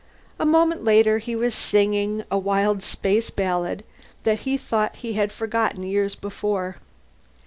A moment later he was singing a wild space ballad that he thought he had forgotten years before.